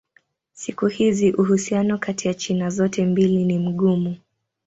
Siku hizi uhusiano kati ya China zote mbili ni mgumu.